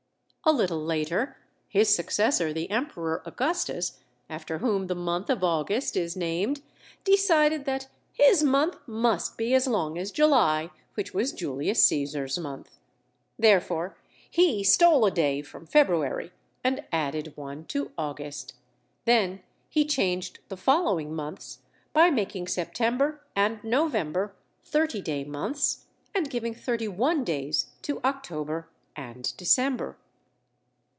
A little later, his successor, the Emperor Augustus, after whom the month of August is named, decided that his month must be as long as July, which was Julius Caesar's month. Therefore, he stole a day from February and added one to August; then he changed the following months by making September and November thirty day months and giving thirty one days to October and December.